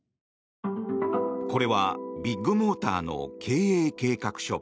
これはビッグモーターの経営計画書。